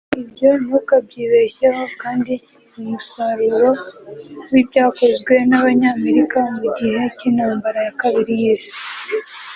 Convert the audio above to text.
Ibyo ntukabyibeshyeho kandi ni umusaruro w’ibyakozwe n’abanyamerika mu gihe cy’intambara ya kabiri y’Isi